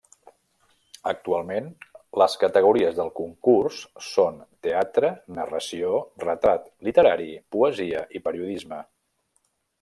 Actualment, les categories del concurs són: teatre, narració, retrat literari, poesia i periodisme.